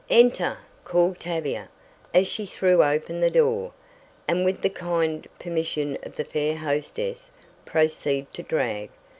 "Enter!" called Tavia, as she threw open the door, "and with the kind permission of the fair hostess, proceed to drag.